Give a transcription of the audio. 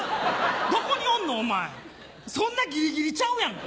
どこにおんのお前そんなギリギリちゃうやんか。